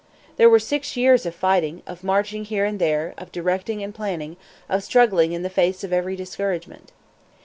There were six years of fighting, of marching here and there, of directing and planning, of struggling in the face of every discouragement.